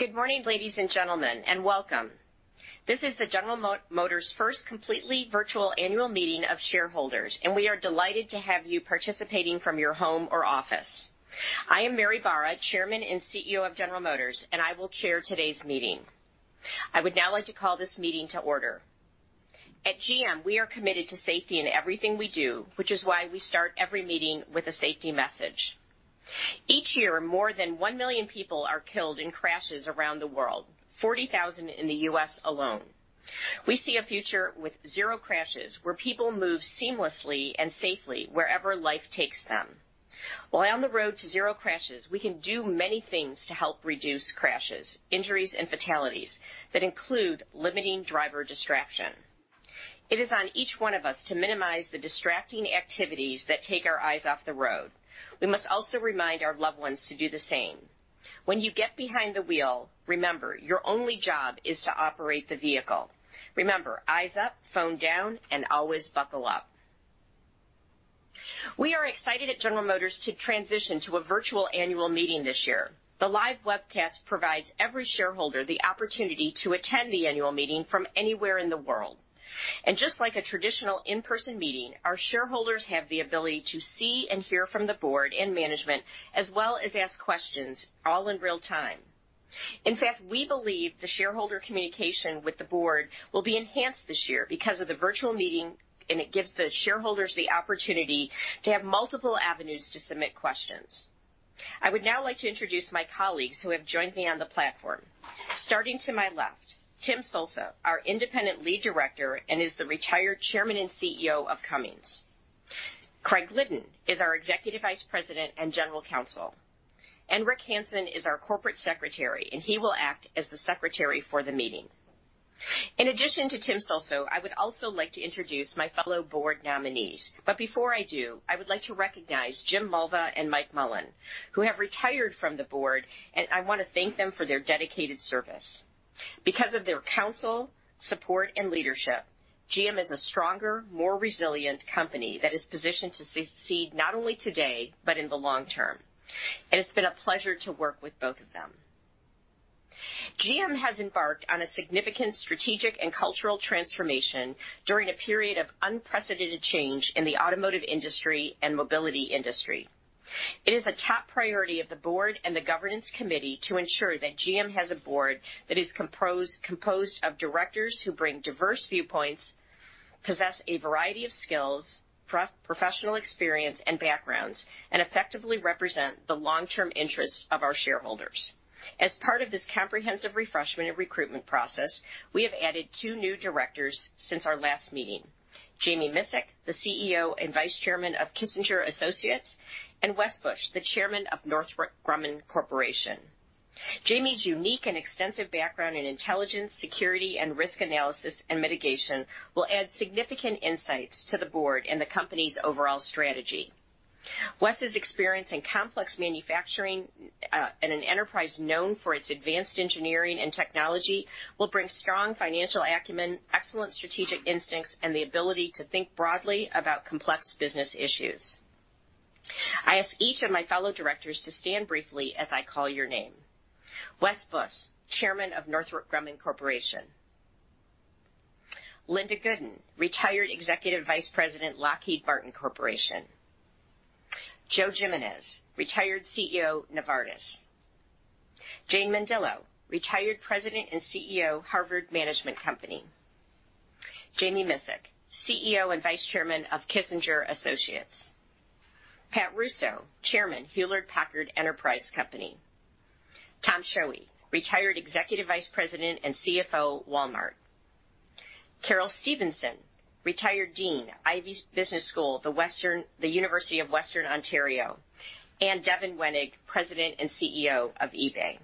Good morning, ladies and gentlemen, and welcome. This is the General Motors first completely virtual annual meeting of shareholders, and we are delighted to have you participating from your home or office. I am Mary Barra, Chairman and CEO of General Motors, and I will chair today's meeting. I would now like to call this meeting to order. At GM, we are committed to safety in everything we do, which is why we start every meeting with a safety message. Each year, more than 1 million people are killed in crashes around the world, 40,000 in the U.S. alone. We see a future with zero crashes, where people move seamlessly and safely wherever life takes them. While on the road to zero crashes, we can do many things to help reduce crashes, injuries, and fatalities that include limiting driver distraction. It is on each one of us to minimize the distracting activities that take our eyes off the road. We must also remind our loved ones to do the same. When you get behind the wheel, remember, your only job is to operate the vehicle. Remember, eyes up, phone down, and always buckle up. We are excited at General Motors to transition to a virtual annual meeting this year. The live webcast provides every shareholder the opportunity to attend the annual meeting from anywhere in the world. Just like a traditional in-person meeting, our shareholders have the ability to see and hear from the board and management, as well as ask questions all in real time. In fact, we believe the shareholder communication with the board will be enhanced this year because of the virtual meeting, and it gives the shareholders the opportunity to have multiple avenues to submit questions. I would now like to introduce my colleagues who have joined me on the platform. Starting to my left, Theodore Solso, our Independent Lead Director and is the retired Chairman and CEO of Cummins. Craig Glidden is our Executive Vice President and General Counsel. Rick E. Hansen is our Corporate Secretary, and he will act as the secretary for the meeting. In addition to Theodore Solso, I would also like to introduce my fellow board nominees. Before I do, I would like to recognize James J. Mulva and Michael Mullen, who have retired from the board, and I want to thank them for their dedicated service. Because of their counsel, support and leadership, GM is a stronger, more resilient company that is positioned to succeed not only today, but in the long term. It's been a pleasure to work with both of them. GM has embarked on a significant strategic and cultural transformation during a period of unprecedented change in the automotive industry and mobility industry. It is a top priority of the board and the governance committee to ensure that GM has a board that is composed of directors who bring diverse viewpoints, possess a variety of skills, professional experience, and backgrounds, and effectively represent the long-term interests of our shareholders. As part of this comprehensive refreshment and recruitment process, we have added two new directors since our last meeting, Jami Miscik, the CEO and Vice Chairman of Kissinger Associates, and Wesley G. Bush, the Chairman of Northrop Grumman Corporation. Jami's unique and extensive background in intelligence, security, and risk analysis and mitigation will add significant insights to the board and the company's overall strategy. Wes's experience in complex manufacturing at an enterprise known for its advanced engineering and technology will bring strong financial acumen, excellent strategic instincts, and the ability to think broadly about complex business issues. I ask each of my fellow directors to stand briefly as I call your name. Wes Bush, Chairman of Northrop Grumman Corporation. Linda Gooden, retired Executive Vice President, Lockheed Martin Corporation. Joe Jimenez, retired CEO, Novartis. Jane Mendillo, retired President and CEO, Harvard Management Company. Jami Miscik, CEO and Vice Chairman of Kissinger Associates. Pat Russo, Chairman, Hewlett Packard Enterprise Company. Thomas Schoewe, retired Executive Vice President and CFO, Walmart. Carol Stephenson, retired Dean, Ivey Business School, the University of Western Ontario, and Devin Wenig, President and CEO of eBay.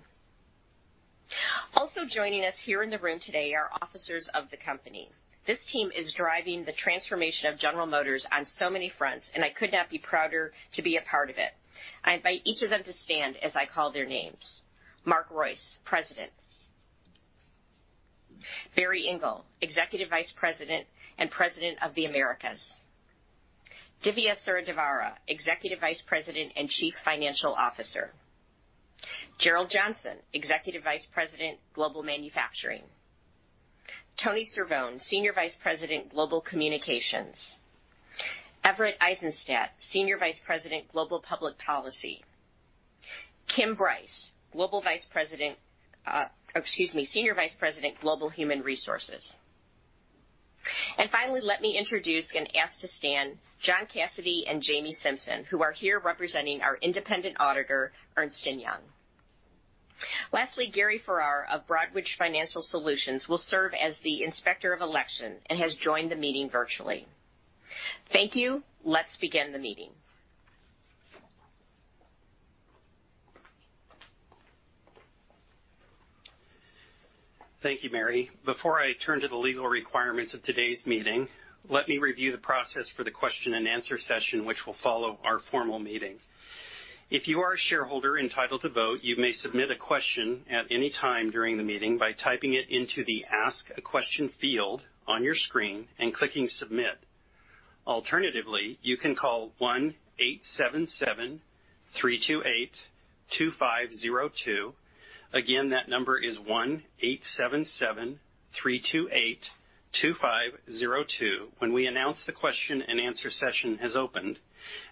Also joining us here in the room today are officers of the company. This team is driving the transformation of General Motors on so many fronts, and I could not be prouder to be a part of it. I invite each of them to stand as I call their names. Mark Reuss, President. Barry Engle, Executive Vice President and President of the Americas. Dhivya Suryadevara, Executive Vice President and Chief Financial Officer. Gerald Johnson, Executive Vice President, Global Manufacturing. Tony Cervone, Senior Vice President, Global Communications. Everett Eissenstat, Senior Vice President, Global Public Policy. Kim Brycz, Senior Vice President, Global Human Resources. Finally, let me introduce and ask to stand, John Cassidy and Jamie Simpson, who are here representing our independent auditor, Ernst & Young. Lastly, Gary Farrar of Broadridge Financial Solutions will serve as the Inspector of Election and has joined the meeting virtually. Thank you. Let's begin the meeting. Thank you, Mary. Before I turn to the legal requirements of today's meeting, let me review the process for the question and answer session, which will follow our formal meeting. If you are a shareholder entitled to vote, you may submit a question at any time during the meeting by typing it into the Ask a Question field on your screen and clicking Submit. Alternatively, you can call 1-877-328-2502. Again, that number is 1-877-328-2502 when we announce the question and answer session has opened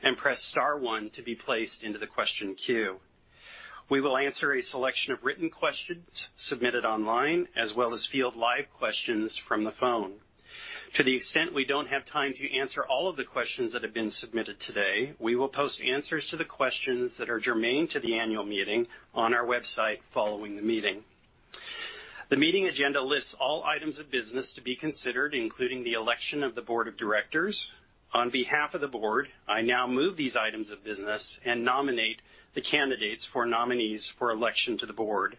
and press star one to be placed into the question queue. We will answer a selection of written questions submitted online as well as field live questions from the phone. To the extent we don't have time to answer all of the questions that have been submitted today, we will post answers to the questions that are germane to the annual meeting on our website following the meeting. The meeting agenda lists all items of business to be considered, including the election of the board of directors. On behalf of the board, I now move these items of business and nominate the candidates for nominees for election to the board.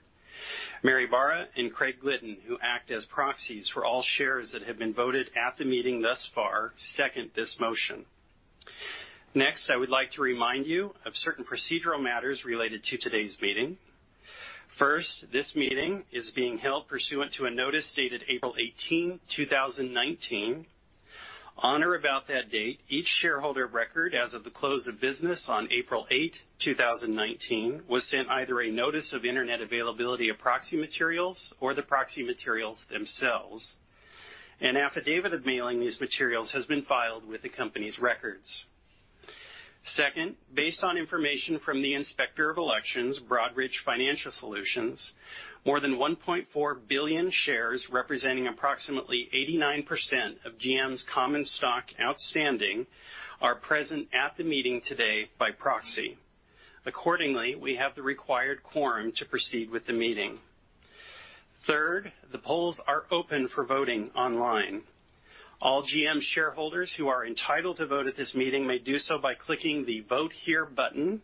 Mary Barra and Craig Glidden, who act as proxies for all shares that have been voted at the meeting thus far, second this motion. I would like to remind you of certain procedural matters related to today's meeting. First, this meeting is being held pursuant to a notice dated April 18, 2019. On or about that date, each shareholder of record as of the close of business on April 8, 2019, was sent either a notice of Internet availability of proxy materials or the proxy materials themselves. An affidavit of mailing these materials has been filed with the company's records. Second, based on information from the Inspector of Elections, Broadridge Financial Solutions, more than 1.4 billion shares representing approximately 89% of GM's common stock outstanding are present at the meeting today by proxy. Accordingly, we have the required quorum to proceed with the meeting. Third, the polls are open for voting online. All GM shareholders who are entitled to vote at this meeting may do so by clicking the Vote Here button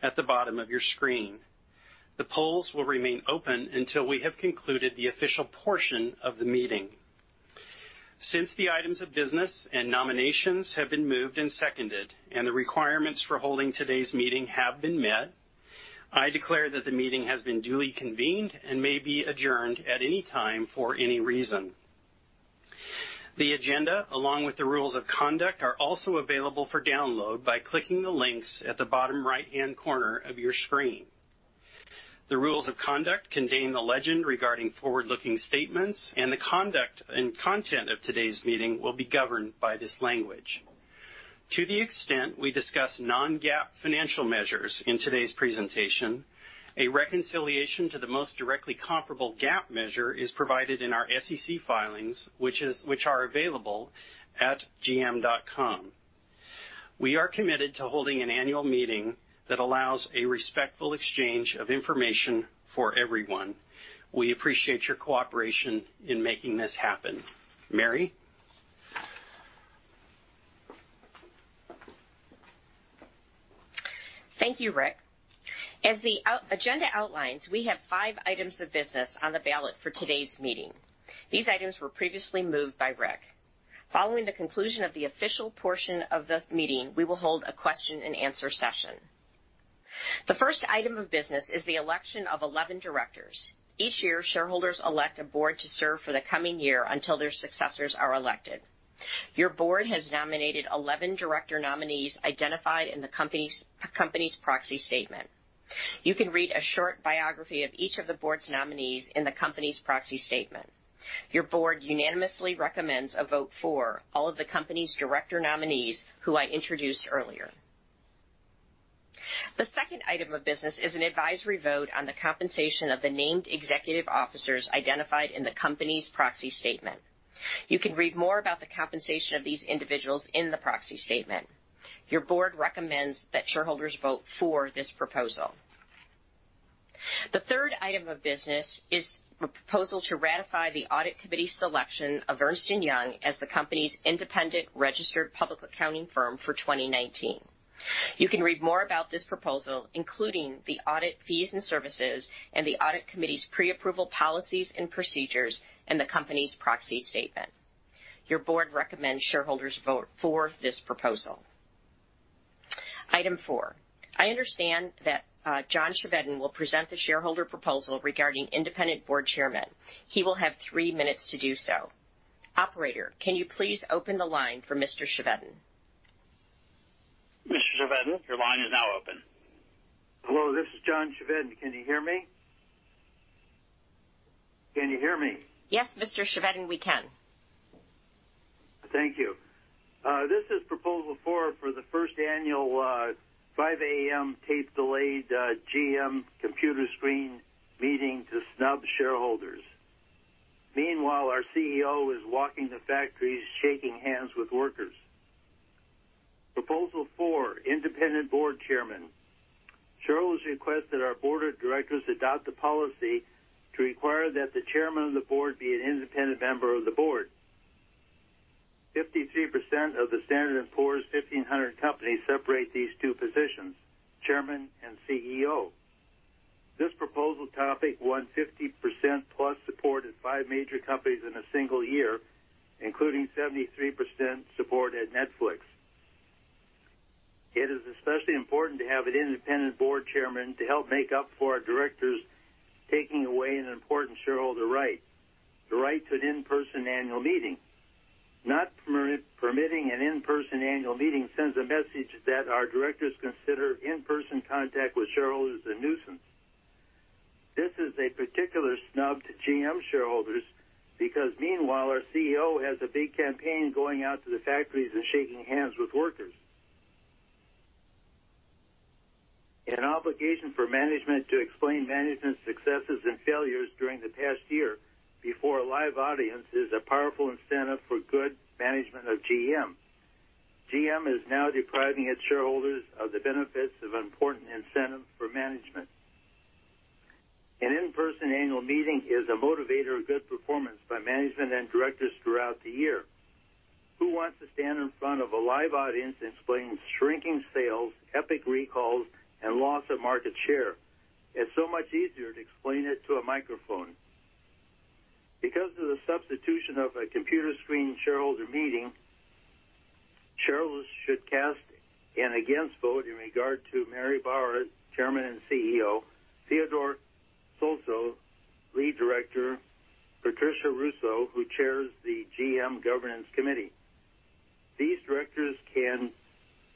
at the bottom of your screen. The polls will remain open until we have concluded the official portion of the meeting. Since the items of business and nominations have been moved and seconded and the requirements for holding today's meeting have been met, I declare that the meeting has been duly convened and may be adjourned at any time for any reason. The agenda, along with the rules of conduct, are also available for download by clicking the links at the bottom right-hand corner of your screen. The rules of conduct contain the legend regarding forward-looking statements. The conduct and content of today's meeting will be governed by this language. To the extent we discuss non-GAAP financial measures in today's presentation, a reconciliation to the most directly comparable GAAP measure is provided in our SEC filings, which are available at gm.com. We are committed to holding an annual meeting that allows a respectful exchange of information for everyone. We appreciate your cooperation in making this happen. Mary? Thank you, Rick. As the agenda outlines, we have five items of business on the ballot for today's meeting. These items were previously moved by Rick. Following the conclusion of the official portion of the meeting, we will hold a question and answer session. The first item of business is the election of 11 directors. Each year, shareholders elect a board to serve for the coming year until their successors are elected. Your board has nominated 11 director nominees identified in the company's proxy statement. You can read a short biography of each of the board's nominees in the company's proxy statement. Your board unanimously recommends a vote for all of the company's director nominees who I introduced earlier. The second item of business is an advisory vote on the compensation of the named executive officers identified in the company's proxy statement. You can read more about the compensation of these individuals in the proxy statement. Your board recommends that shareholders vote for this proposal. The third item of business is a proposal to ratify the audit committee's selection of Ernst & Young as the company's independent registered public accounting firm for 2019. You can read more about this proposal, including the audit fees and services and the audit committee's pre-approval policies and procedures in the company's proxy statement. Your board recommends shareholders vote for this proposal. Item four. I understand that John Chevedden will present the shareholder proposal regarding independent board chairman. He will have three minutes to do so. Operator, can you please open the line for Mr. Chevedden? Mr. Chevedden, your line is now open. Hello, this is John Chevedden. Can you hear me? Yes, Mr. Chevedden, we can. Thank you. This is proposal four for the first annual 5:00 A.M. tape-delayed GM computer screen meeting to snub shareholders. Meanwhile, our CEO is walking the factories shaking hands with workers. Proposal four, independent board chairman. Carol has requested our board of directors adopt a policy to require that the chairman of the board be an independent member of the board. 53% of the Standard and Poor's 1,500 companies separate these two positions, chairman and CEO. This proposal topic won 50% plus support at five major companies in a single year, including 73% support at Netflix. It is especially important to have an independent board chairman to help make up for our directors taking away an important shareholder right, the right to an in-person annual meeting. Not permitting an in-person annual meeting sends a message that our directors consider in-person contact with shareholders a nuisance. This is a particular snub to GM shareholders because meanwhile, our CEO has a big campaign going out to the factories and shaking hands with workers. An obligation for management to explain management's successes and failures during the past year before a live audience is a powerful incentive for good management of GM. GM is now depriving its shareholders of the benefits of important incentives for management. An in-person annual meeting is a motivator of good performance by management and directors throughout the year. Who wants to stand in front of a live audience explaining shrinking sales, epic recalls, and loss of market share? It's so much easier to explain it to a microphone. Because of the substitution of a computer screen shareholder meeting, shareholders should cast an against vote in regard to Mary Barra, Chairman and CEO, Theodore Solso, Lead Director, Patricia Russo, who chairs the GM Governance Committee. These directors can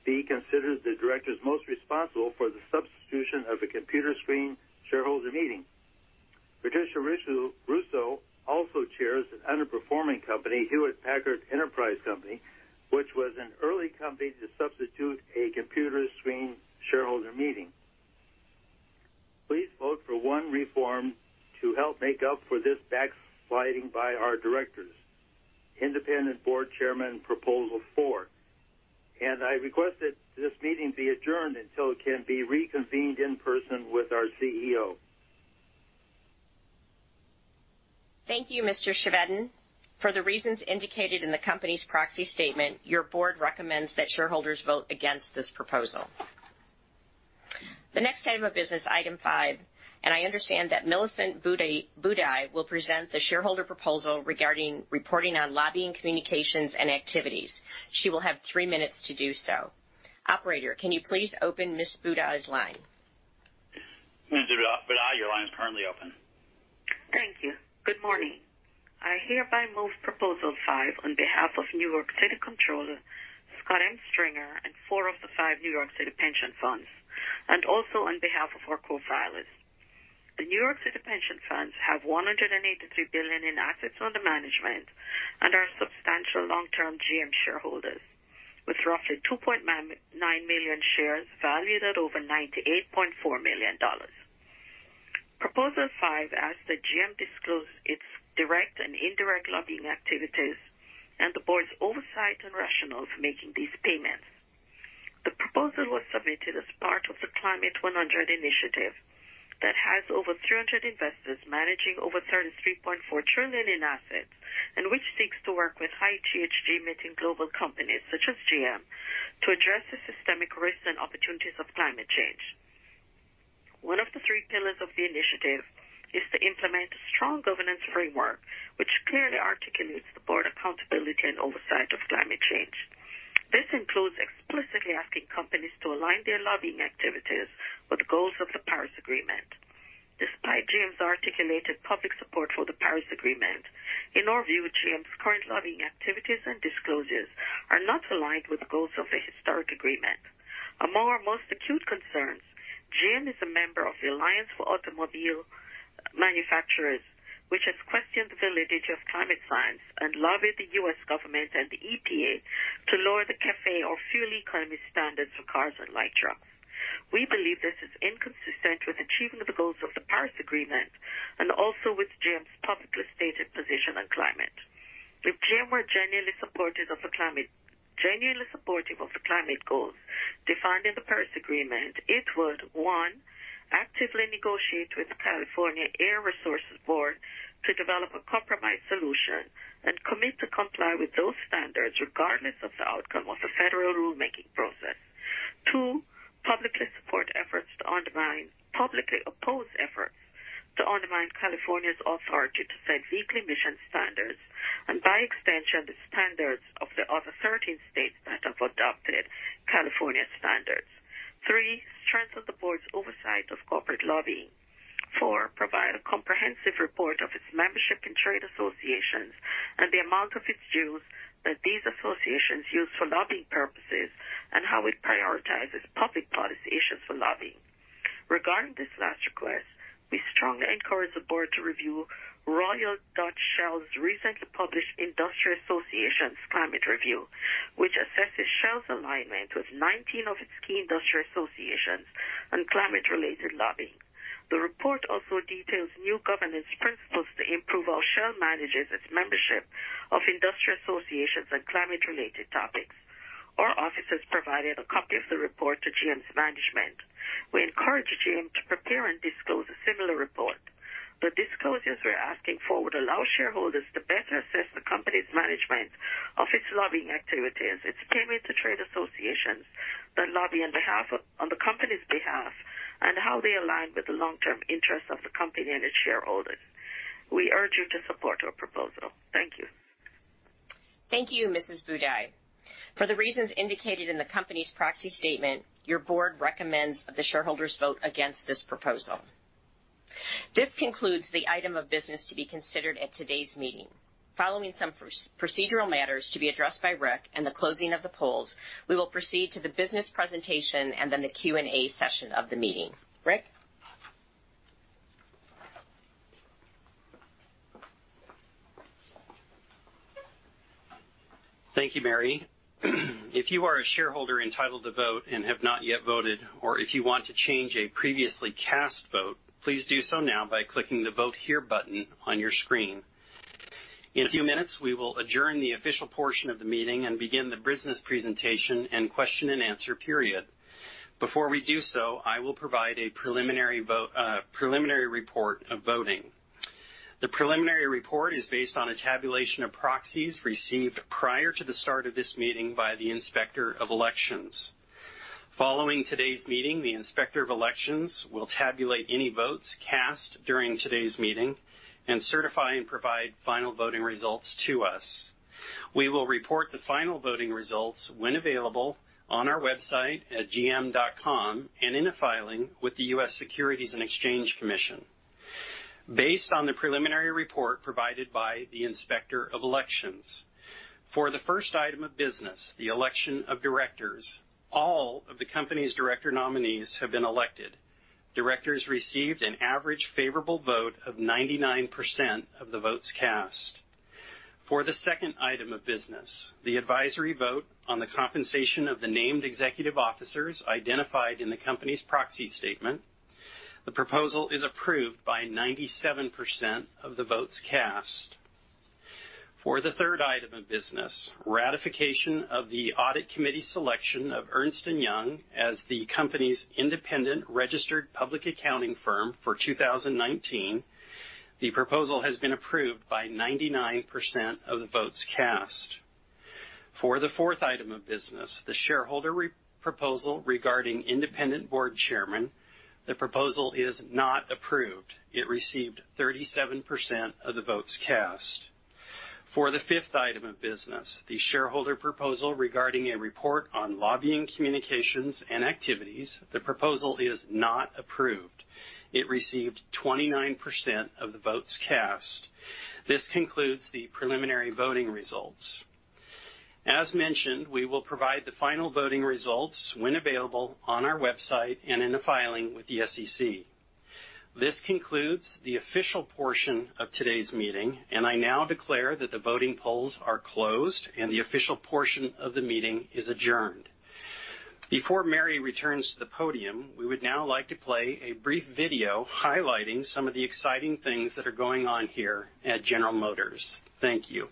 be considered the directors most responsible for the substitution of a computer screen shareholder meeting. Patricia Russo also chairs an underperforming company, Hewlett Packard Enterprise Company, which was an early company to substitute a computer screen shareholder meeting. Please vote for one reform to help make up for this backsliding by our directors. Independent board chairman, proposal four. I request that this meeting be adjourned until it can be reconvened in person with our CEO. Thank you, Mr. Chevedden. For the reasons indicated in the company's proxy statement, your board recommends that shareholders vote against this proposal. The next item of business, item five, I understand that Millicent Budai will present the shareholder proposal regarding reporting on lobbying communications and activities. She will have three minutes to do so. Operator, can you please open Ms. Budai's line? Ms. Budai, your line is currently open. Thank you. Good morning. I hereby move proposal five on behalf of New York City Comptroller, Scott M. Stringer, and four of the five New York City pension funds, also on behalf of our co-filers. The New York City pension funds have $183 billion in assets under management and are substantial long-term GM shareholders with roughly 2.9 million shares valued at over $98.4 million. Proposal five asks that GM disclose its direct and indirect lobbying activities and the board's oversight and rationale for making these payments. The proposal was submitted as part of the Climate Action 100+ initiative that has over 300 investors managing over $33.4 trillion in assets, which seeks to work with high GHG emitting global companies, such as GM, to address the systemic risks and opportunities of climate change. One of the three pillars of the initiative is to implement a strong governance framework, which clearly articulates the board accountability and oversight of climate change. This includes explicitly asking companies to align their lobbying activities with goals of the Paris Agreement. Despite GM's articulated public support for the Paris Agreement, in our view, GM's current lobbying activities and disclosures are not aligned with the goals of the historic agreement. Among our most acute concerns, GM is a member of the Alliance of Automobile Manufacturers, which has questioned the validity of climate science and lobbied the U.S. government and the EPA to lower the CAFE or fuel economy standards for cars and light trucks. We believe this is inconsistent with achieving the goals of the Paris Agreement and also with GM's publicly stated position on climate. If GM were genuinely supportive of the climate goals defined in the Paris Agreement, it would, one, actively negotiate with the California Air Resources Board to develop a compromise solution and commit to comply with those standards regardless of the outcome of the federal rulemaking process. Two, publicly oppose efforts to undermine California's authority to set vehicle emission standards and by extension, the standards of the other 13 states that have adopted California standards. Three, strengthen the board's oversight of corporate lobbying. Four, provide a comprehensive report of its membership in trade associations and the amount of its dues that these associations use for lobbying purposes and how it prioritizes public policy issues for lobbying. Regarding this last request, we strongly encourage the board to review Royal Dutch Shell's recently published Industrial Associations Climate Review, which assesses Shell's alignment with 19 of its key industrial associations on climate-related lobbying. The report also details new governance principles to improve how Shell manages its membership of industrial associations on climate-related topics. Our office has provided a copy of the report to GM's management. We encourage GM to prepare and disclose a similar report. The disclosures we're asking for would allow shareholders to better assess the company's management of its lobbying activities, its payment to trade associations that lobby on the company's behalf, and how they align with the long-term interests of the company and its shareholders. We urge you to support our proposal. Thank you. Thank you, Ms. Budai. For the reasons indicated in the company's proxy statement, your board recommends that the shareholders vote against this proposal. This concludes the item of business to be considered at today's meeting. Following some procedural matters to be addressed by Rick and the closing of the polls, we will proceed to the business presentation and then the Q&A session of the meeting. Rick? Thank you, Mary. If you are a shareholder entitled to vote and have not yet voted, or if you want to change a previously cast vote, please do so now by clicking the Vote Here button on your screen. In a few minutes, we will adjourn the official portion of the meeting and begin the business presentation and question and answer period. Before we do so, I will provide a preliminary report of voting. The preliminary report is based on a tabulation of proxies received prior to the start of this meeting by the Inspector of Elections. Following today's meeting, the Inspector of Elections will tabulate any votes cast during today's meeting and certify and provide final voting results to us. We will report the final voting results when available on our website at gm.com, and in a filing with the U.S. Securities and Exchange Commission. Based on the preliminary report provided by the Inspector of Elections, for the first item of business, the election of directors, all of the company's director nominees have been elected. Directors received an average favorable vote of 99% of the votes cast. For the second item of business, the advisory vote on the compensation of the named executive officers identified in the company's proxy statement, the proposal is approved by 97% of the votes cast. For the third item of business, ratification of the Audit Committee selection of Ernst & Young as the company's independent registered public accounting firm for 2019, the proposal has been approved by 99% of the votes cast. For the fourth item of business, the shareholder proposal regarding independent board chairman, the proposal is not approved. It received 37% of the votes cast. For the fifth item of business, the shareholder proposal regarding a report on lobbying communications and activities, the proposal is not approved. It received 29% of the votes cast. This concludes the preliminary voting results. As mentioned, we will provide the final voting results when available on our website and in a filing with the SEC. This concludes the official portion of today's meeting, and I now declare that the voting polls are closed and the official portion of the meeting is adjourned. Before Mary returns to the podium, we would now like to play a brief video highlighting some of the exciting things that are going on here at General Motors. Thank you.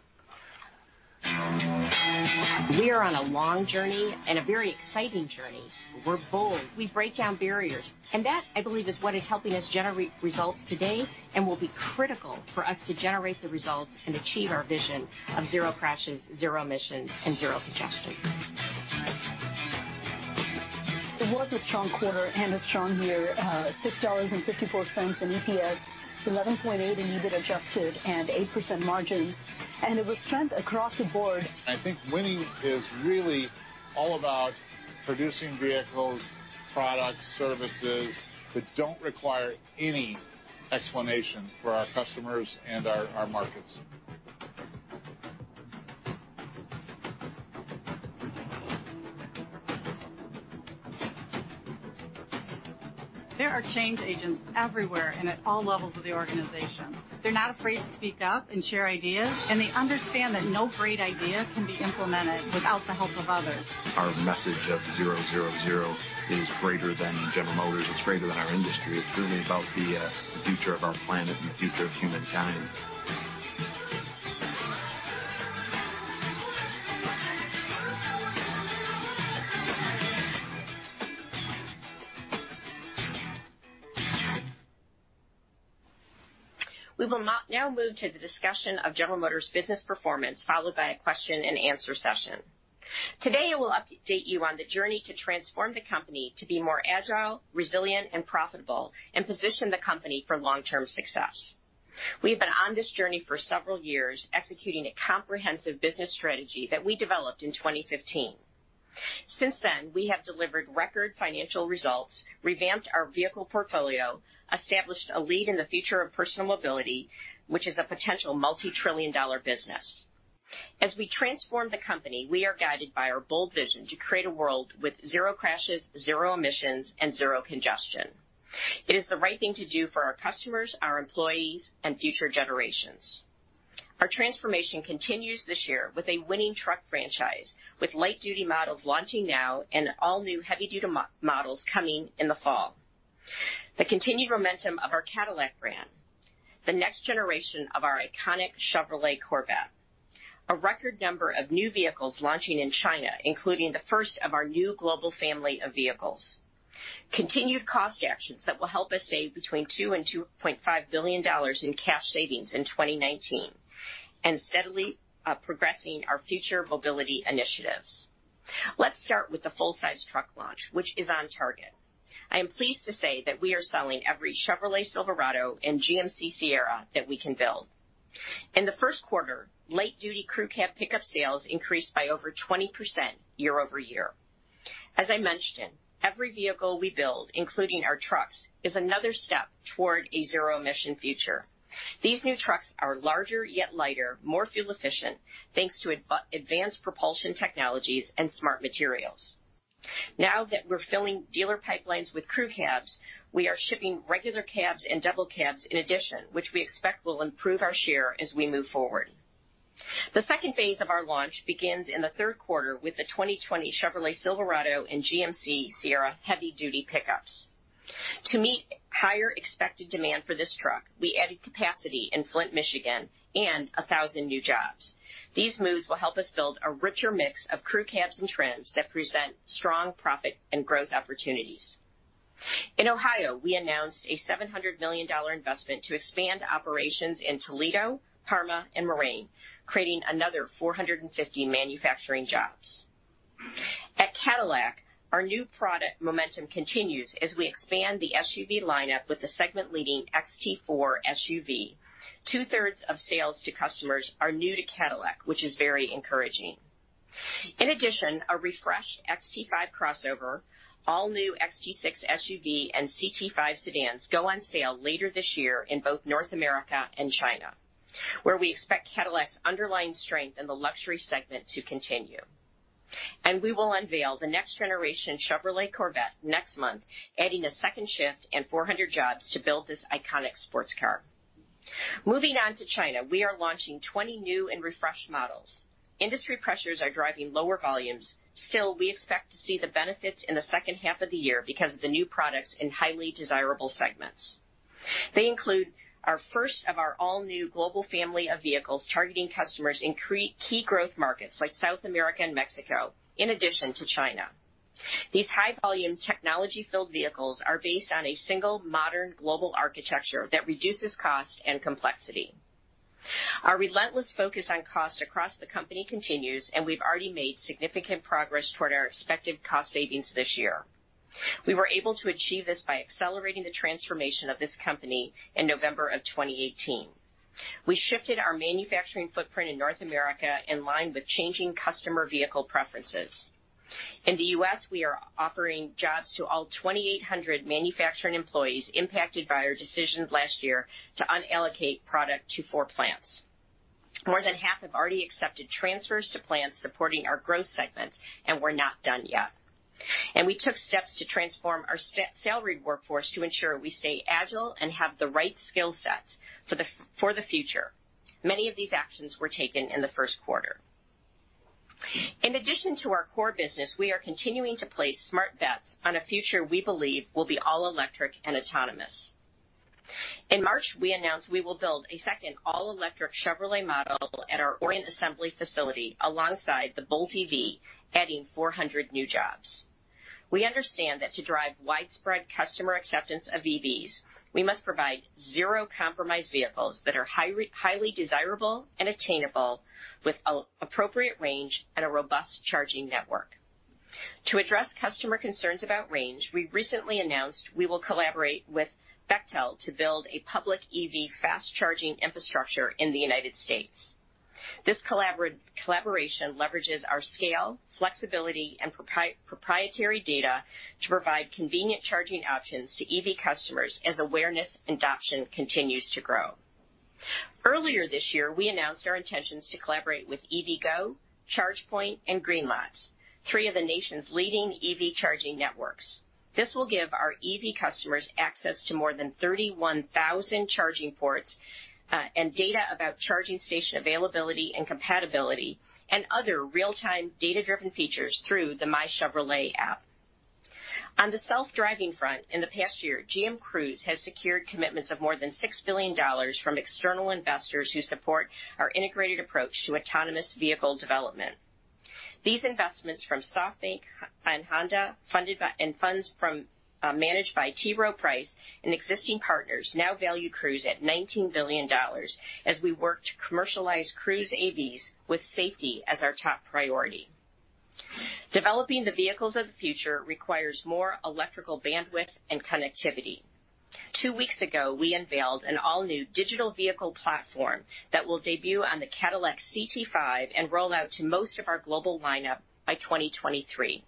We are on a long journey and a very exciting journey. We're bold. We break down barriers, and that, I believe, is what is helping us generate results today and will be critical for us to generate the results and achieve our vision of zero crashes, zero emission, and zero congestion. It was a strong quarter and a strong year, $6.54 in EPS, 11.8 in EBIT adjusted, and 8% margins, and it was strength across the board. I think winning is really all about producing vehicles, products, services that don't require any explanation for our customers and our markets. There are change agents everywhere and at all levels of the organization. They're not afraid to speak up and share ideas, they understand that no great idea can be implemented without the help of others. Our message of zero, zero is greater than General Motors. It's greater than our industry. It's really about the future of our planet and the future of humankind. We will now move to the discussion of General Motors' business performance, followed by a question and answer session. Today, we'll update you on the journey to transform the company to be more agile, resilient, and profitable, and position the company for long-term success. We've been on this journey for several years, executing a comprehensive business strategy that we developed in 2015. Since then, we have delivered record financial results, revamped our vehicle portfolio, established a lead in the future of personal mobility, which is a potential multi-trillion-dollar business. As we transform the company, we are guided by our bold vision to create a world with zero crashes, zero emissions, and zero congestion. It is the right thing to do for our customers, our employees, and future generations. Our transformation continues this year with a winning truck franchise, with light-duty models launching now and all new heavy-duty models coming in the fall, the continued momentum of our Cadillac brand, the next generation of our iconic Chevrolet Corvette, a record number of new vehicles launching in China, including the first of our new global family of vehicles, continued cost actions that will help us save between $2 billion-$2.5 billion in cash savings in 2019, and steadily progressing our future mobility initiatives. Let's start with the full-size truck launch, which is on target. I am pleased to say that we are selling every Chevrolet Silverado and GMC Sierra that we can build. In the first quarter, light-duty crew cab pickup sales increased by over 20% year-over-year. As I mentioned, every vehicle we build, including our trucks, is another step toward a zero emission future. These new trucks are larger, yet lighter, more fuel efficient, thanks to advanced propulsion technologies and smart materials. Now that we're filling dealer pipelines with crew cabs, we are shipping regular cabs and double cabs in addition, which we expect will improve our share as we move forward. The second phase of our launch begins in the third quarter with the 2020 Chevrolet Silverado and GMC Sierra heavy duty pickups. To meet higher expected demand for this truck, we added capacity in Flint, Michigan, and 1,000 new jobs. These moves will help us build a richer mix of crew cabs and trends that present strong profit and growth opportunities. In Ohio, we announced a $700 million investment to expand operations in Toledo, Parma, and Moraine, creating another 450 manufacturing jobs. At Cadillac, our new product momentum continues as we expand the SUV lineup with the segment leading XT4 SUV. Two-thirds of sales to customers are new to Cadillac, which is very encouraging. In addition, a refreshed XT5 crossover, all new XT6 SUV, and CT5 sedans go on sale later this year in both North America and China, where we expect Cadillac's underlying strength in the luxury segment to continue. We will unveil the next generation Chevrolet Corvette next month, adding a second shift and 400 jobs to build this iconic sports car. Moving on to China, we are launching 20 new and refreshed models. Industry pressures are driving lower volumes. Still, we expect to see the benefits in the second half of the year because of the new products in highly desirable segments. They include our first of our all-new global family of vehicles targeting customers in key growth markets like South America and Mexico, in addition to China. These high volume technology-filled vehicles are based on a single modern global architecture that reduces cost and complexity. Our relentless focus on cost across the company continues, and we've already made significant progress toward our expected cost savings this year. We were able to achieve this by accelerating the transformation of this company in November of 2018. We shifted our manufacturing footprint in North America in line with changing customer vehicle preferences. In the U.S., we are offering jobs to all 2,800 manufacturing employees impacted by our decisions last year to unallocate product to four plants. More than half have already accepted transfers to plants supporting our growth segment, and we're not done yet. We took steps to transform our salaried workforce to ensure we stay agile and have the right skill sets for the future. Many of these actions were taken in the first quarter. In addition to our core business, we are continuing to place smart bets on a future we believe will be all electric and autonomous. In March, we announced we will build a second all-electric Chevrolet model at our Orion assembly facility alongside the Bolt EV, adding 400 new jobs. We understand that to drive widespread customer acceptance of EVs, we must provide zero compromise vehicles that are highly desirable and attainable with appropriate range and a robust charging network. To address customer concerns about range, we recently announced we will collaborate with Bechtel to build a public EV fast charging infrastructure in the United States. This collaboration leverages our scale, flexibility and proprietary data to provide convenient charging options to EV customers as awareness adoption continues to grow. Earlier this year, we announced our intentions to collaborate with EVgo, ChargePoint, and Greenlots, three of the nation's leading EV charging networks. This will give our EV customers access to more than 31,000 charging ports, and data about charging station availability and compatibility, and other real-time data-driven features through the myChevrolet app. On the self-driving front, in the past year, GM Cruise has secured commitments of more than $6 billion from external investors who support our integrated approach to autonomous vehicle development. These investments from SoftBank and Honda, and funds managed by T. Rowe Price, and existing partners now value Cruise at $19 billion as we work to commercialize Cruise AVs with safety as our top priority. Developing the vehicles of the future requires more electrical bandwidth and connectivity. Two weeks ago, we unveiled an all-new digital vehicle platform that will debut on the Cadillac CT5 and roll out to most of our global lineup by 2023.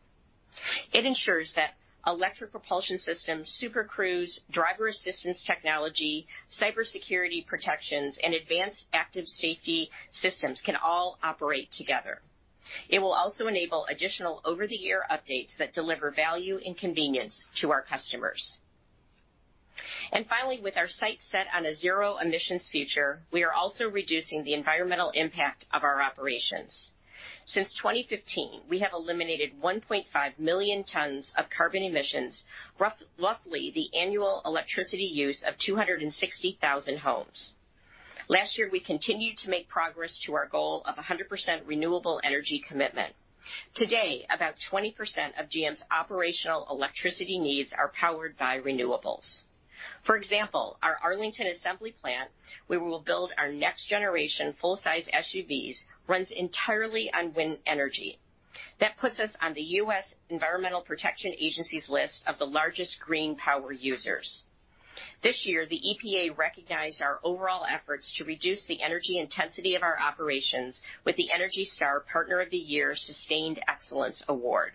Finally, with our sights set on a zero emissions future, we are also reducing the environmental impact of our operations. Since 2015, we have eliminated 1.5 million tons of carbon emissions, roughly the annual electricity use of 260,000 homes. Last year, we continued to make progress to our goal of 100% renewable energy commitment. Today, about 20% of GM's operational electricity needs are powered by renewables. For example, our Arlington Assembly plant, where we will build our next generation full-size SUVs, runs entirely on wind energy. That puts us on the U.S. Environmental Protection Agency's list of the largest green power users. This year, the EPA recognized our overall efforts to reduce the energy intensity of our operations with the ENERGY STAR Partner of the Year Sustained Excellence Award.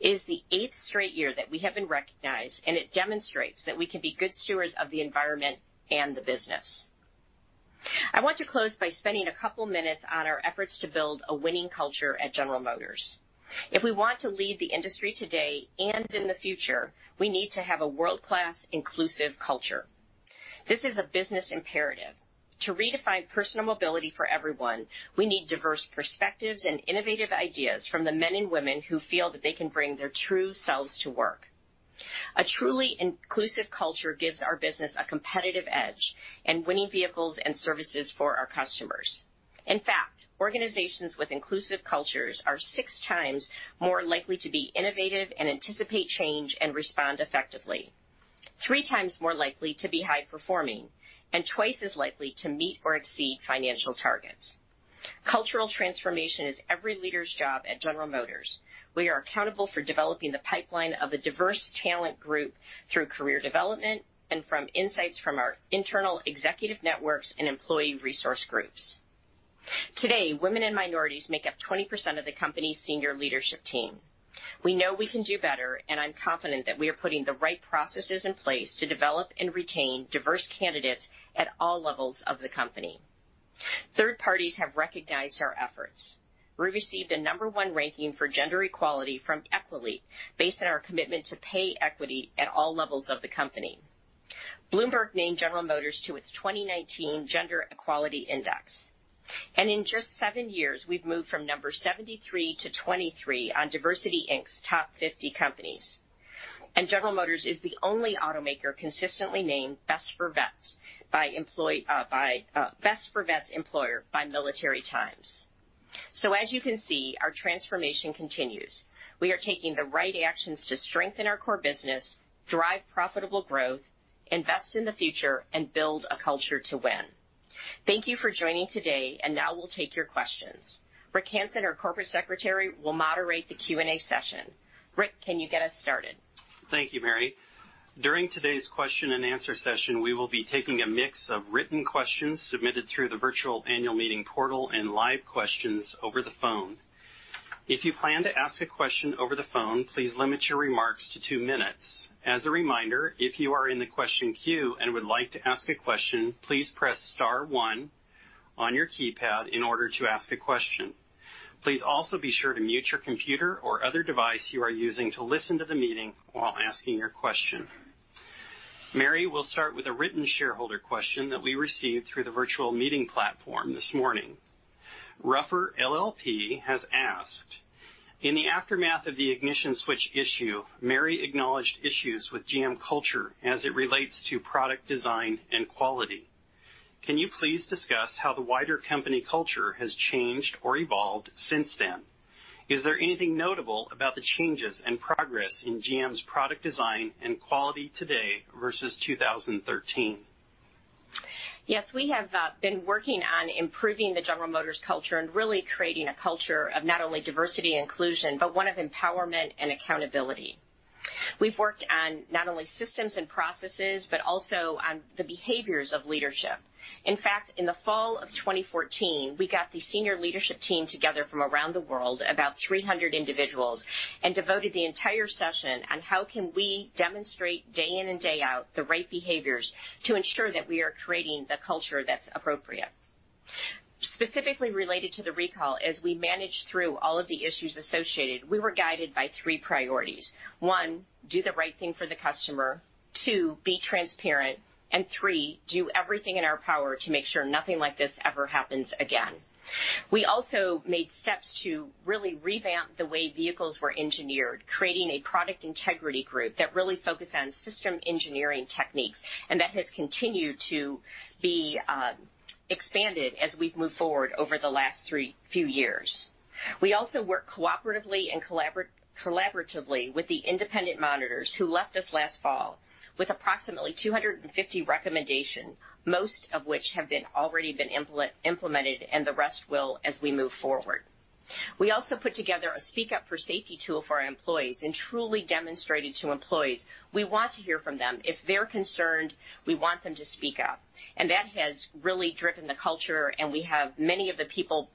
It is the eighth straight year that we have been recognized, and it demonstrates that we can be good stewards of the environment and the business. I want to close by spending a couple minutes on our efforts to build a winning culture at General Motors. If we want to lead the industry today and in the future, we need to have a world-class inclusive culture. This is a business imperative. To redefine personal mobility for everyone, we need diverse perspectives and innovative ideas from the men and women who feel that they can bring their true selves to work. A truly inclusive culture gives our business a competitive edge and winning vehicles and services for our customers. In fact, organizations with inclusive cultures are six times more likely to be innovative and anticipate change and respond effectively, three times more likely to be high-performing, and twice as likely to meet or exceed financial targets. Cultural transformation is every leader's job at General Motors. We are accountable for developing the pipeline of a diverse talent group through career development from insights from our internal executive networks and employee resource groups. Today, women and minorities make up 20% of the company's senior leadership team. We know we can do better, and I'm confident that we are putting the right processes in place to develop and retain diverse candidates at all levels of the company. Third parties have recognized our efforts. We received the number one ranking for gender equality from Equileap based on our commitment to pay equity at all levels of the company. Bloomberg named General Motors to its 2019 Bloomberg Gender-Equality Index. In just seven years, we've moved from number 73 to 23 on DiversityInc.'s Top 50 companies. General Motors is the only automaker consistently named Best for Vets employer by Military Times. As you can see, our transformation continues. We are taking the right actions to strengthen our core business, drive profitable growth, invest in the future, and build a culture to win. Thank you for joining today, and now we'll take your questions. Rick E. Hansen, our Corporate Secretary, will moderate the Q&A session. Rick, can you get us started? Thank you, Mary. During today's question and answer session, we will be taking a mix of written questions submitted through the virtual annual meeting portal and live questions over the phone. If you plan to ask a question over the phone, please limit your remarks to two minutes. As a reminder, if you are in the question queue and would like to ask a question, please press star one on your keypad in order to ask a question. Please also be sure to mute your computer or other device you are using to listen to the meeting while asking your question. Mary, we'll start with a written shareholder question that we received through the virtual meeting platform this morning. Ruffer LLP has asked, "In the aftermath of the ignition switch issue, Mary acknowledged issues with GM culture as it relates to product design and quality. Can you please discuss how the wider company culture has changed or evolved since then? Is there anything notable about the changes and progress in GM's product design and quality today versus 2013? Yes, we have been working on improving the General Motors culture and really creating a culture of not only diversity and inclusion, but one of empowerment and accountability. We've worked on not only systems and processes, but also on the behaviors of leadership. In fact, in the fall of 2014, we got the senior leadership team together from around the world, about 300 individuals, and devoted the entire session on how can we demonstrate day in and day out the right behaviors to ensure that we are creating the culture that's appropriate. Specifically related to the recall, as we managed through all of the issues associated, we were guided by three priorities. One, do the right thing for the customer. Two, be transparent. Three, do everything in our power to make sure nothing like this ever happens again. We also made steps to really revamp the way vehicles were engineered, creating a product integrity group that really focused on system engineering techniques, and that has continued to be expanded as we've moved forward over the last few years. We also work cooperatively and collaboratively with the independent monitors who left us last fall with approximately 250 recommendations, most of which have already been implemented, and the rest will as we move forward. We also put together a Speak Up for Safety tool for our employees and truly demonstrated to employees we want to hear from them. If they're concerned, we want them to speak up. That has really driven the culture, and we have many of the people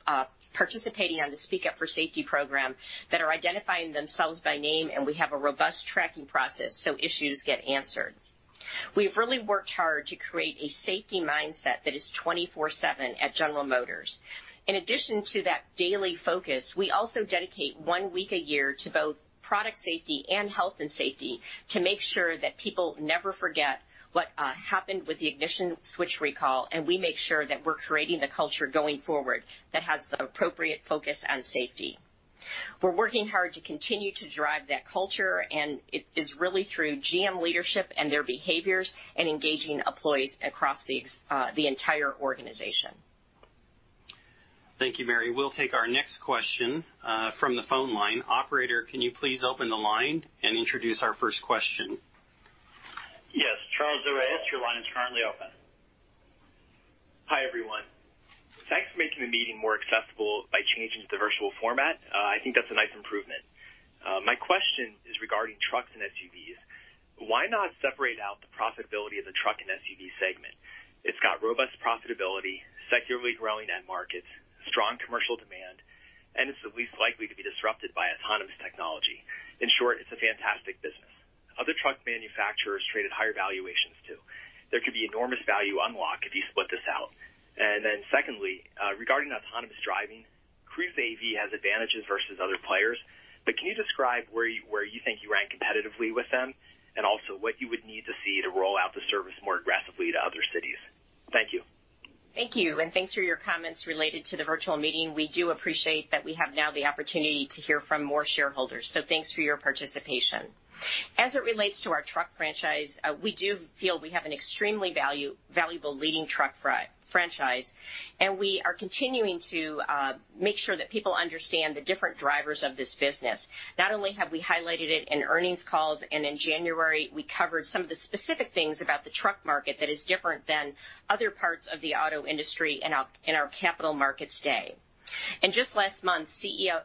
participating on the Speak Up for Safety program that are identifying themselves by name, and we have a robust tracking process, so issues get answered. We've really worked hard to create a safety mindset that is 24/7 at General Motors. In addition to that daily focus, we also dedicate one week a year to both product safety and health and safety to make sure that people never forget what happened with the ignition switch recall, and we make sure that we're creating the culture going forward that has the appropriate focus on safety. We're working hard to continue to drive that culture, and it is really through GM leadership and their behaviors and engaging employees across the entire organization. Thank you, Mary. We'll take our next question from the phone line. Operator, can you please open the line and introduce our first question? Yes. Charles, your line is currently open. Thanks for making the meeting more accessible by changing to the virtual format. I think that's a nice improvement. My question is regarding trucks and SUVs. Why not separate out the profitability of the truck and SUV segment? It's got robust profitability, secularly growing end markets, strong commercial demand, and it's the least likely to be disrupted by autonomous technology. In short, it's a fantastic business. Other truck manufacturers trade at higher valuations, too. There could be enormous value unlocked if you split this out. Secondly, regarding autonomous driving, Cruise AV has advantages versus other players. Can you describe where you think you rank competitively with them, and also what you would need to see to roll out the service more aggressively to other cities? Thank you. Thank you, and thanks for your comments related to the virtual meeting. We do appreciate that we have now the opportunity to hear from more shareholders, so thanks for your participation. As it relates to our truck franchise, we do feel we have an extremely valuable leading truck franchise, and we are continuing to make sure that people understand the different drivers of this business. Not only have we highlighted it in earnings calls, in January, we covered some of the specific things about the truck market that is different than other parts of the auto industry in our Capital Markets Day. Just last month, CFO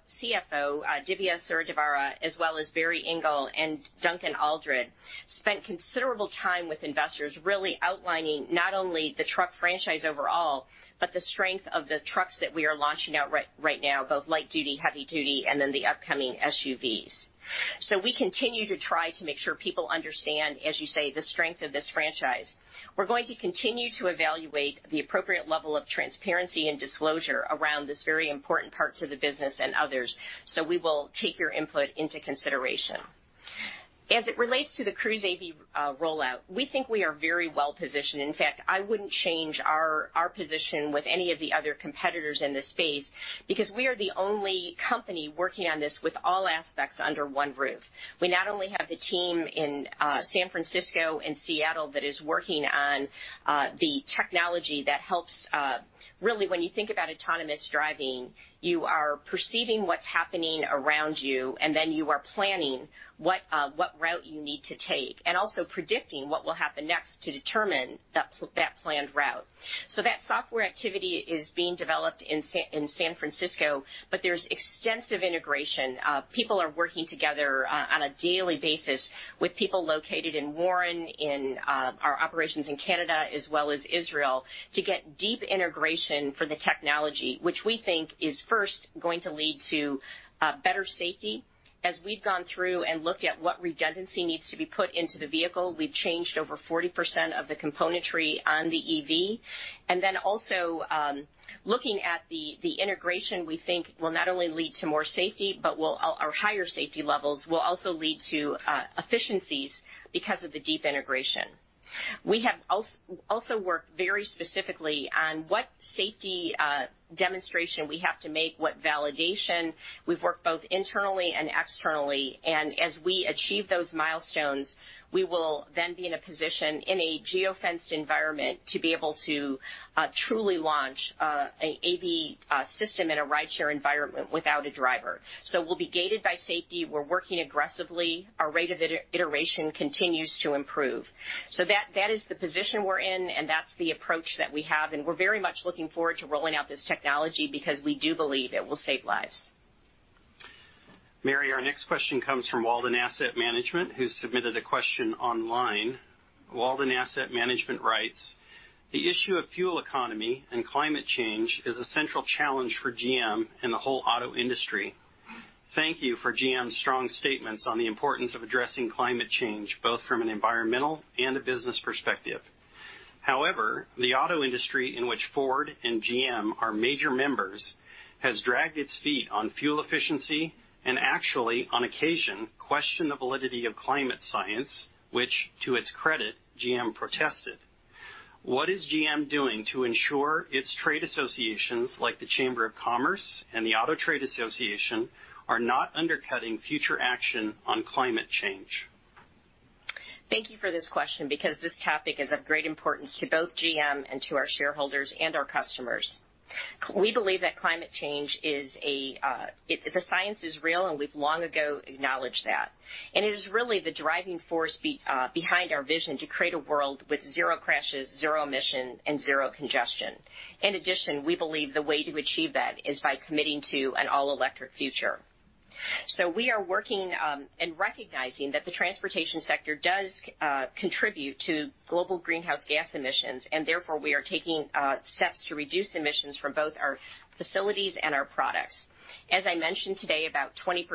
Dhivya Suryadevara, as well as Barry Engle and Duncan Aldred, spent considerable time with investors really outlining not only the truck franchise overall, but the strength of the trucks that we are launching out right now, both light duty, heavy duty, and then the upcoming SUVs. We continue to try to make sure people understand, as you say, the strength of this franchise. We're going to continue to evaluate the appropriate level of transparency and disclosure around this very important parts of the business and others. We will take your input into consideration. As it relates to the Cruise AV rollout, we think we are very well-positioned. In fact, I wouldn't change our position with any of the other competitors in this space, because we are the only company working on this with all aspects under one roof. We not only have the team in San Francisco and Seattle that is working on the technology that helps. When you think about autonomous driving, you are perceiving what's happening around you, and then you are planning what route you need to take, and also predicting what will happen next to determine that planned route. That software activity is being developed in San Francisco, but there's extensive integration. People are working together on a daily basis with people located in Warren, in our operations in Canada, as well as Israel, to get deep integration for the technology, which we think is first going to lead to better safety. As we've gone through and looked at what redundancy needs to be put into the vehicle, we've changed over 40% of the componentry on the EV. Also, looking at the integration, we think will not only lead to more safety, but higher safety levels will also lead to efficiencies because of the deep integration. We have also worked very specifically on what safety demonstration we have to make, what validation. We've worked both internally and externally, and as we achieve those milestones, we will then be in a position in a geo-fenced environment to be able to truly launch an AV system in a rideshare environment without a driver. We'll be gated by safety. We're working aggressively. Our rate of iteration continues to improve. That is the position we're in, and that's the approach that we have, and we're very much looking forward to rolling out this technology because we do believe it will save lives. Mary, our next question comes from Walden Asset Management, who submitted a question online. Walden Asset Management writes, "The issue of fuel economy and climate change is a central challenge for GM and the whole auto industry. Thank you for GM's strong statements on the importance of addressing climate change, both from an environmental and a business perspective. However, the auto industry in which Ford and GM are major members has dragged its feet on fuel efficiency and actually, on occasion, questioned the validity of climate science, which, to its credit, GM protested. What is GM doing to ensure its trade associations, like the Chamber of Commerce and the Auto Trade Association, are not undercutting future action on climate change? Thank you for this question, because this topic is of great importance to both GM and to our shareholders and our customers. Mary, we believe that climate change, the science is real, and we've long ago acknowledged that. It is really the driving force behind our vision to create a world with zero crashes, zero emission, and zero congestion. In addition, we believe the way to achieve that is by committing to an all-electric future. We are working and recognizing that the transportation sector does contribute to global greenhouse gas emissions, and therefore we are taking steps to reduce emissions from both our facilities and our products. As I mentioned today, about 20%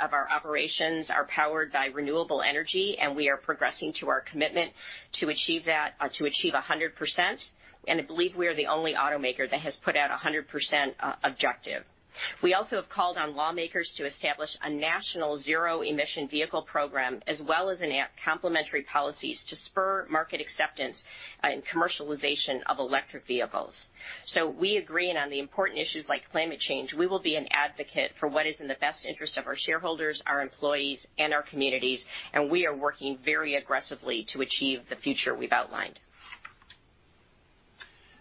of our operations are powered by renewable energy, and we are progressing to our commitment to achieve 100%, and I believe we are the only automaker that has put out 100% objective. We also have called on lawmakers to establish a national zero-emission vehicle program, as well as complementary policies to spur market acceptance and commercialization of electric vehicles. We agree, and on the important issues like climate change, we will be an advocate for what is in the best interest of our shareholders, our employees, and our communities, and we are working very aggressively to achieve the future we've outlined.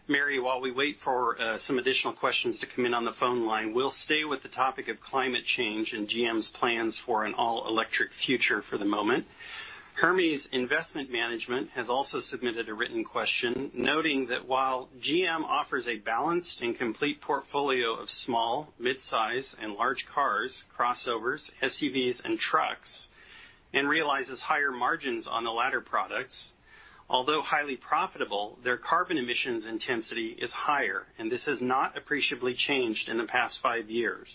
Mary, while we wait for some additional questions to come in on the phone line, we'll stay with the topic of climate change and GM's plans for an all-electric future for the moment. Hermes Investment Management has also submitted a written question noting that while GM offers a balanced and complete portfolio of small, mid-size, and large cars, crossovers, SUVs, and trucks, and realizes higher margins on the latter products, although highly profitable, their carbon emissions intensity is higher, and this has not appreciably changed in the past five years.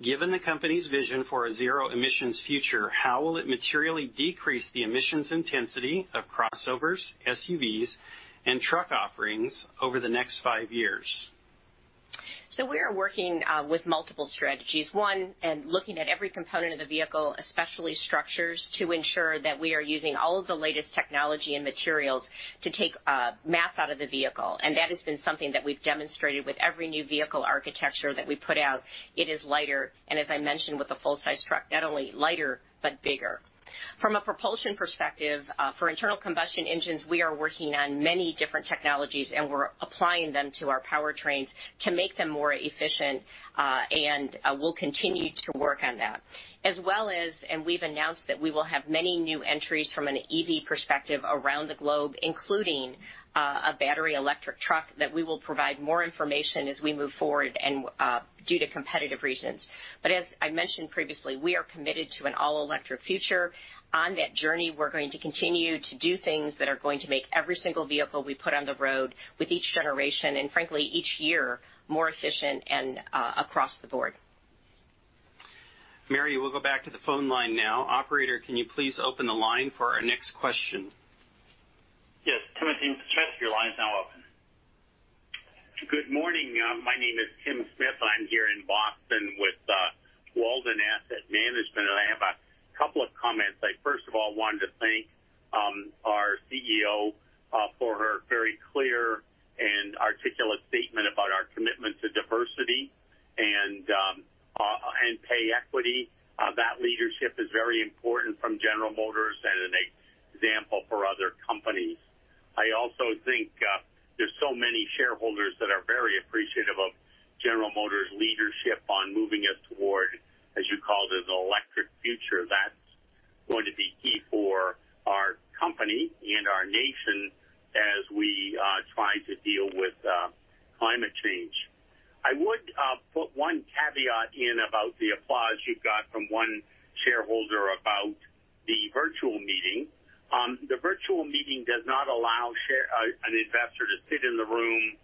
Given the company's vision for a zero emissions future, how will it materially decrease the emissions intensity of crossovers, SUVs, and truck offerings over the next five years? We are working with multiple strategies. One, looking at every component of the vehicle, especially structures, to ensure that we are using all of the latest technology and materials to take mass out of the vehicle. That has been something that we've demonstrated with every new vehicle architecture that we put out. It is lighter, and as I mentioned, with a full-size truck, not only lighter, but bigger. From a propulsion perspective, for internal combustion engines, we are working on many different technologies, and we're applying them to our powertrains to make them more efficient. We'll continue to work on that. As well as, we've announced that we will have many new entries from an EV perspective around the globe, including a battery electric truck that we will provide more information as we move forward and due to competitive reasons. As I mentioned previously, we are committed to an all-electric future. On that journey, we're going to continue to do things that are going to make every single vehicle we put on the road, with each generation, and frankly, each year, more efficient and across the board. Mary, we'll go back to the phone line now. Operator, can you please open the line for our next question? Yes. Timothy Smith, your line is now open. Good morning. My name is Tim Smith. I'm here in Boston with Walden Asset Management. I first of all wanted to thank our CEO for her very clear and articulate statement about our commitment to diversity and pay equity. That leadership is very important from General Motors and an example for other companies. I also think there's so many shareholders that are very appreciative of General Motors' leadership on moving us toward, as you called it, an electric future that's going to be key for our company and our nation as we try to deal with climate change. I would put one caveat in about the applause you've got from one shareholder about the virtual meeting. The virtual meeting does not allow an investor to sit in the room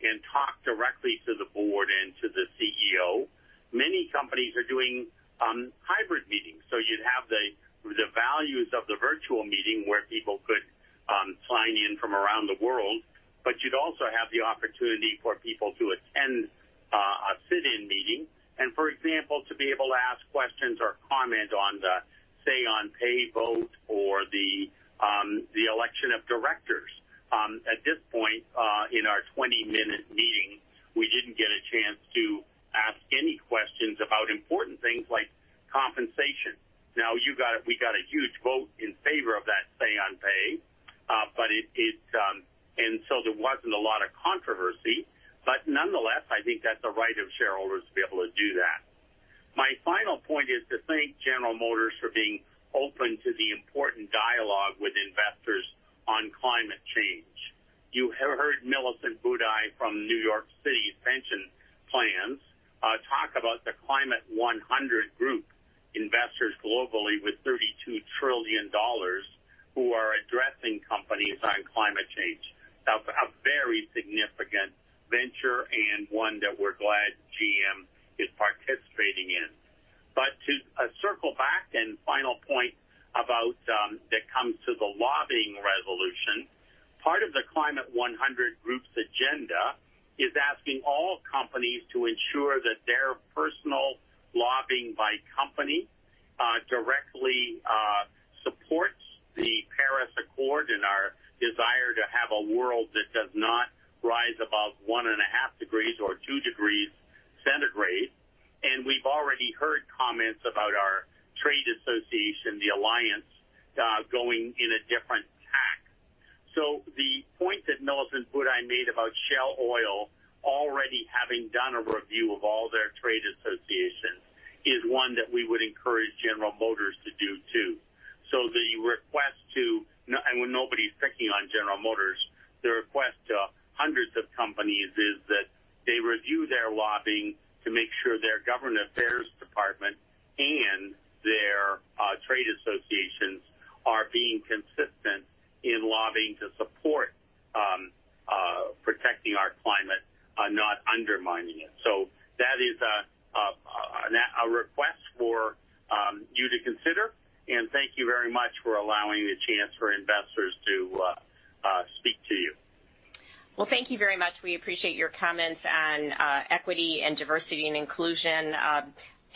and talk directly to the Board and to the CEO. Many companies are doing hybrid meetings. You'd have the values of the virtual meeting where people could sign in from around the world, but you'd also have the opportunity for people to attend a sit-in meeting and, for example, to be able to ask questions or comment on the say on pay vote or the election of directors. At this point, in our 20-minute meeting, we didn't get a chance to ask any questions about important things like compensation. We got a huge vote in favor of that say on pay, and so there wasn't a lot of controversy. Nonetheless, I think that's a right of shareholders to be able to do that. My final point is to thank General Motors for being open to the important dialogue with investors on climate change. You heard Millicent Budai from New York City's pension plans talk about the Climate Action 100+ group investors globally with $32 trillion who are addressing companies on climate change. That's a very significant venture and one that we're glad GM is participating in. To circle back, and final point that comes to the lobbying resolution, part of the Climate Action 100+ group's agenda is asking all companies to ensure that their personal lobbying by company directly supports the Paris Agreement and our desire to have a world that does not rise above one and a half degrees or two degrees centigrade. We've already heard comments about our trade association, the Alliance, going in a different tack. The point that Millicent Budai made about Shell Oil already having done a review of all their trade associations is one that we would encourage General Motors to do, too. The request to, and when nobody's picking on General Motors, the request to hundreds of companies is that they review their lobbying to make sure their government affairs department and their trade associations are being consistent in lobbying to support protecting our climate, not undermining it. That is a request for you to consider, and thank you very much for allowing the chance for investors to speak to you. Thank you very much. We appreciate your comments on equity and diversity and inclusion.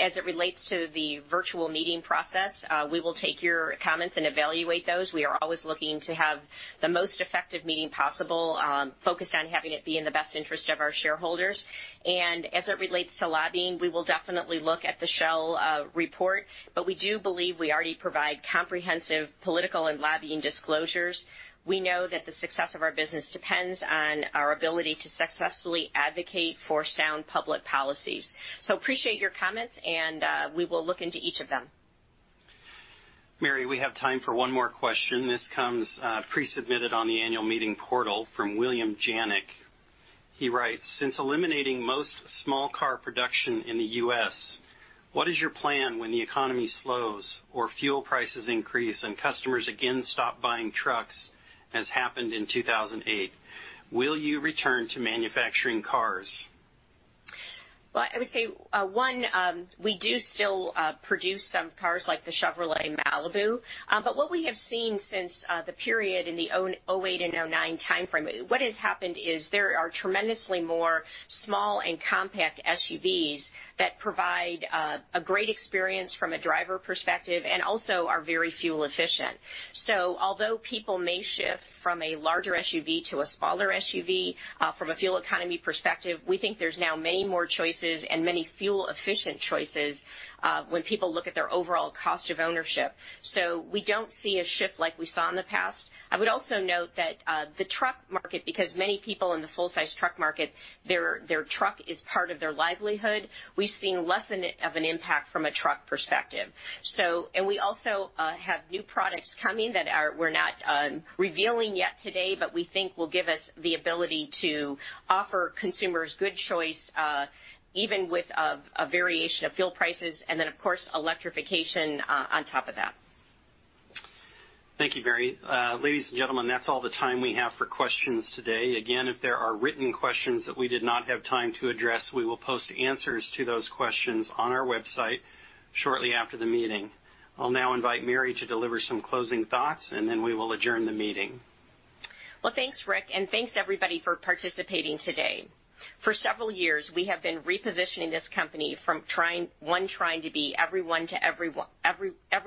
As it relates to the virtual meeting process, we will take your comments and evaluate those. We are always looking to have the most effective meeting possible, focused on having it be in the best interest of our shareholders. As it relates to lobbying, we will definitely look at the Shell report, but we do believe we already provide comprehensive political and lobbying disclosures. We know that the success of our business depends on our ability to successfully advocate for sound public policies. We appreciate your comments, and we will look into each of them. Mary, we have time for one more question. This comes pre-submitted on the annual meeting portal from William Janek. He writes, "Since eliminating most small car production in the U.S., what is your plan when the economy slows or fuel prices increase and customers again stop buying trucks as happened in 2008? Will you return to manufacturing cars? Well, I would say, one, we do still produce some cars like the Chevrolet Malibu. What we have seen since the period in the 2008 and 2009 timeframe, what has happened is there are tremendously more small and compact SUVs that provide a great experience from a driver perspective and also are very fuel efficient. Although people may shift from a larger SUV to a smaller SUV, from a fuel economy perspective, we think there's now many more choices and many fuel-efficient choices when people look at their overall cost of ownership. We don't see a shift like we saw in the past. I would also note that the truck market, because many people in the full-size truck market, their truck is part of their livelihood. We've seen less of an impact from a truck perspective. We also have new products coming that we're not revealing yet today, but we think will give us the ability to offer consumers good choice, even with a variation of fuel prices, and then, of course, electrification on top of that. Thank you, Mary. Ladies and gentlemen, that's all the time we have for questions today. Again, if there are written questions that we did not have time to address, we will post answers to those questions on our website shortly after the meeting. I'll now invite Mary to deliver some closing thoughts, and then we will adjourn the meeting. Well, thanks, Rick, and thanks, everybody, for participating today. For several years, we have been repositioning this company from one trying to be every one to every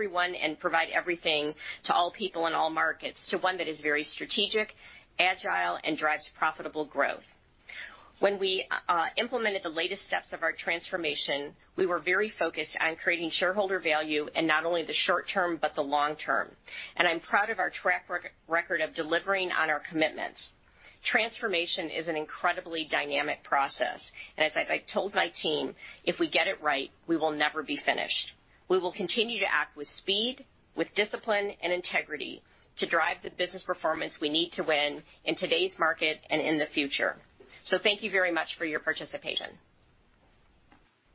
one and provide everything to all people in all markets, to one that is very strategic, agile, and drives profitable growth. When we implemented the latest steps of our transformation, we were very focused on creating shareholder value in not only the short term but the long term. I'm proud of our track record of delivering on our commitments. Transformation is an incredibly dynamic process, and as I've told my team, if we get it right, we will never be finished. We will continue to act with speed, with discipline, and integrity to drive the business performance we need to win in today's market and in the future. Thank you very much for your participation.